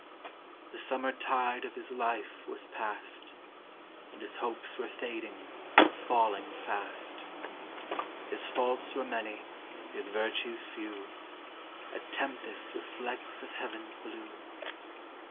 The summer tide Of his life was past, And his hopes were fading, falling fast. His faults were many, his virtues few, A tempest with flecks of heaven's blue.